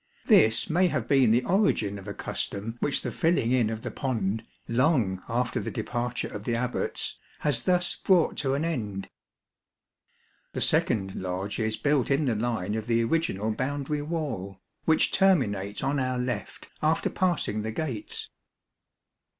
This may have been the origin of a custom which the filling in of the pond, long after the departure of the Abbats, has thus brought to an end. The second lodge is built in the line of the original boundary wall, which terminates on our left after passing the gates.